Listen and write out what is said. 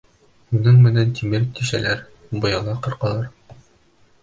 Уның менән тимер тишәләр, быяла ҡырҡалар.